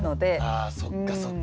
あそっかそっか。